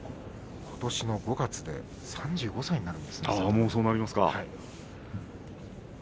ことしの５月で３５歳になるんですね。